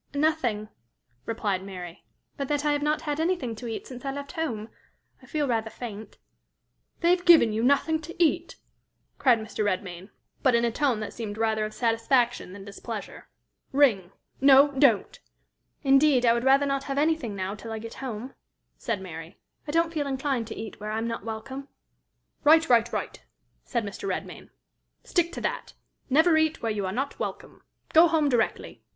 "Nothing," replied Mary, "but that I have not had anything to eat since I left home. I feel rather faint." "They've given you nothing to eat!" cried Mr. Redmain, but in a tone that seemed rather of satisfaction than displeasure. "Ring no, don't." "Indeed, I would rather not have anything now till I get home," said Mary. "I don't feel inclined to eat where I am not welcome." "Right! right! right!" said Mr. Redmain. "Stick to that. Never eat where you are not welcome. Go home directly.